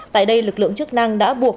tại đây lực lượng chức năng đã buộc